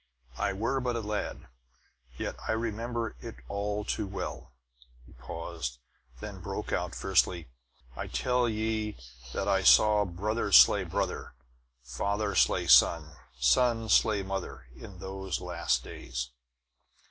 I were but a lad, yet I remember it all too well." He paused, then broke out fiercely: "I tell ye that I saw brother slay brother, father slay son, son slay mother, in those last days!